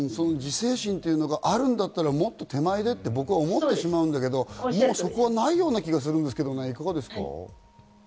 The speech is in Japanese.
自制心があるんだったら、もっと手前でと僕は思ってしまうんだけど、そこはないような気がするんですけど、いかがですか？